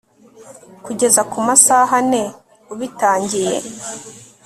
kugeza kumasaha ane ubitangiye